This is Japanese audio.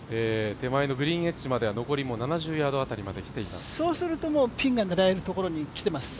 手前のグリーンエッジまでは７０ヤードくらいのところまで来ています。